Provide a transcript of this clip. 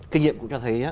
kinh nghiệm cũng cho thấy